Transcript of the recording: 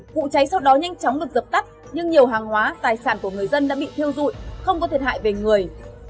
vụ cháy sau đó nhanh chóng được dập tắt nhưng nhiều hàng hóa tài sản của người dân đã bị thiêu dụi không có thiệt hại về người